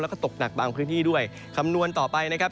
แล้วก็ตกหนักบางพื้นที่ด้วยคำนวณต่อไปนะครับ